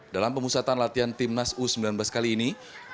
dalam pemusatan latihan timnas u sembilan belas kali ini